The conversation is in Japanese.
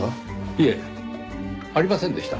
いえありませんでした。